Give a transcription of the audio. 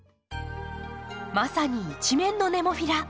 まさに一面のネモフィラ。